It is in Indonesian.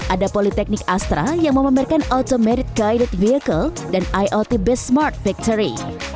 ada politeknik astra yang memamerkan automated guided vehicle dan iot base smart factory